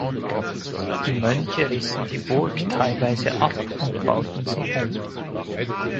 Die Mönche rissen die Burg teilweise ab und bauten sie um.